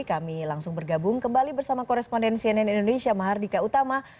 kami langsung bergabung kembali bersama koresponden cnn indonesia mahardika utama